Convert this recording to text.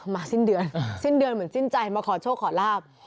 สิ้นเดือนสิ้นเดือนเหมือนสิ้นใจมาขอโชคขอลาบ